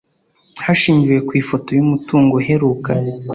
hashingiwe ku ifoto y’umutungo iheruka